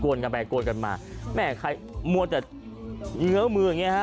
กันไปโกนกันมาแม่ใครมัวแต่เงื้อมืออย่างเงี้ฮะ